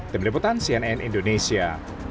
demi liputan cnn indonesia